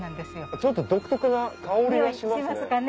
ちょっと独特な香りがしますね。